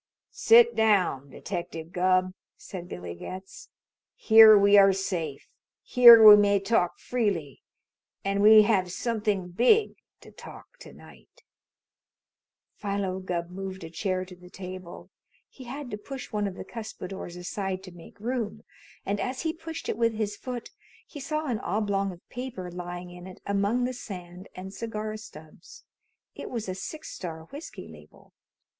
"Sit down, Detective Gubb," said Billy Getz. "Here we are safe. Here we may talk freely. And we have something big to talk to night." Philo Gubb moved a chair to the table. He had to push one of the cuspidors aside to make room, and as he pushed it with his foot he saw an oblong of paper lying in it among the sand and cigar stubs. It was a Six Star whiskey label.